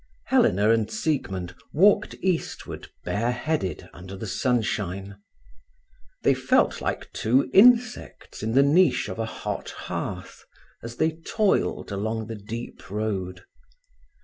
Helena and Siegmund walked eastward bareheaded under the sunshine. They felt like two insects in the niche of a hot hearth as they toiled along the deep road.